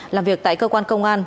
làm việc tại cơ quan công an